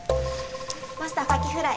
マスターカキフライ。